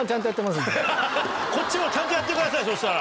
こっちもちゃんとやってくださいそしたら。